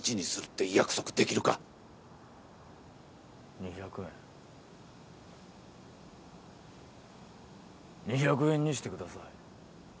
２００円２００円にしてください